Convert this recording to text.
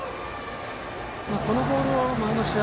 このボールは前の試合